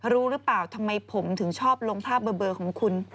รู้หรือเปล่าทำไมผมถึงชอบลงภาพเบอร์ของคุณ